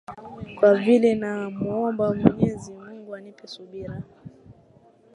kwa vile na muomba mwenyezi mungu anipe subira